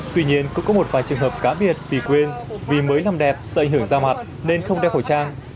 tuy nhiên cũng có một vài trường hợp cá biệt tỉ quên vì mới làm đẹp sợi hởi da mặt nên không đeo khẩu trang